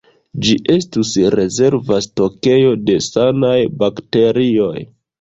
Ĝi estus rezerva stokejo de sanaj bakterioj.